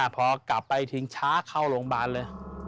พอกลับไปทิ้งช้าเข้าโรงพยาบาลเลย